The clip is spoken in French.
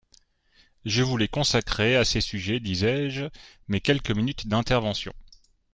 Je voulais consacrer à ces sujets, disais-je, mes quelques minutes d’intervention.